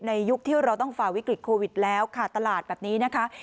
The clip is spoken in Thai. ยุคที่เราต้องฝ่าวิกฤตโควิดแล้วขาดตลาดแบบนี้นะคะ